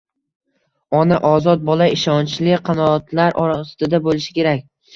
ona ozod, bola ishonchli qanotlar ostida bo'lishi kerak.